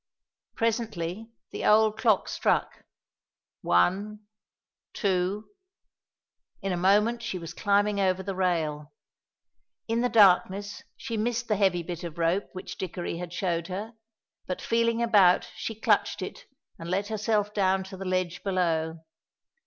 Presently the old clock struck, one, two In a moment she was climbing over the rail. In the darkness she missed the heavy bit of rope which Dickory had showed her, but feeling about she clutched it and let herself down to the ledge below.